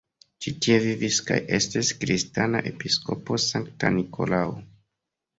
Ĉi-tie vivis kaj estis kristana episkopo Sankta Nikolao.